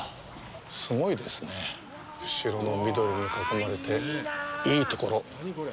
すごいですね後ろの緑に囲まれて、いいところ。